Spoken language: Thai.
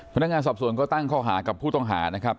พนักงานสอบสวนก็ตั้งข้อหากับผู้ต้องหานะครับ